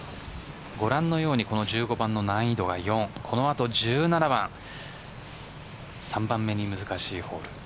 ご覧のように１５番の難易度は４この後１７は３番目に難しいホール。